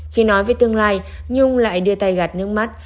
khi nói về tương lai nhung lại đưa tay gạt nước mắt